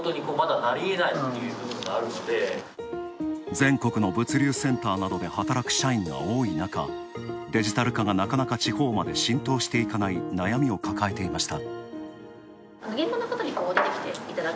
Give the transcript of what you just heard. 全国の物流センターなどで働く社員が多い中、デジタル化がなかなか地方まで浸透していかない悩みを抱えていました。